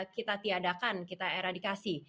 kita tiadakan kita eradikasi